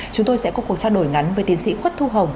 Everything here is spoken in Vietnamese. chúng tôi sẽ có cuộc trao đổi ngắn với tiến sĩ khuất thu hồng